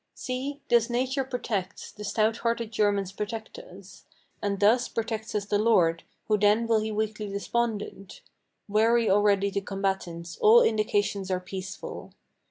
See! thus nature protects, the stout hearted Germans protect us, And thus protects us the Lord, who then will he weakly despondent? Weary already the combatants, all indications are peaceful.